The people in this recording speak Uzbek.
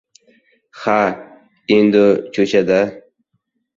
— Ha, endu cho‘cha-da!